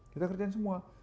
kita kerjain semua